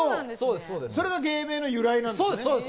それが芸名の由来なんですね？